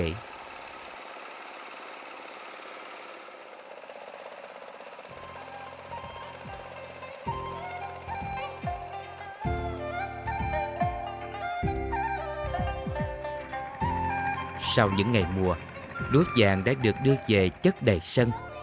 trong những ngày mùa lúa dạng đã được đưa về chất đầy sân